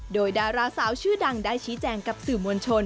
โดยดาราสาวชื่อดังได้ชี้แจงกับสื่อมวลชน